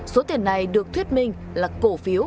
số tiền này được thuyết minh là cổ phiếu